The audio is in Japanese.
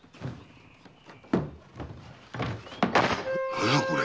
何やこれ？